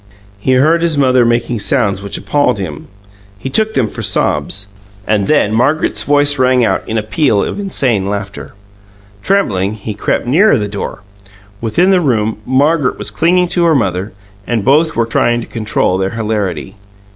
He heard his mother making sounds which appalled him he took them for sobs. And then Margaret's voice rang out in a peal of insane laughter. Trembling, he crept nearer the door. Within the room Margaret was clinging to her mother, and both were trying to control their hilarity.